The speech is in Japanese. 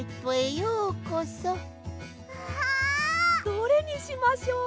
どれにしましょう。